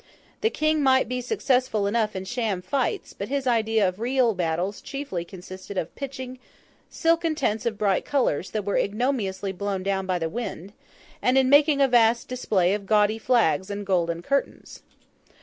The King might be successful enough in sham fights; but his idea of real battles chiefly consisted in pitching silken tents of bright colours that were ignominiously blown down by the wind, and in making a vast display of gaudy flags and golden curtains.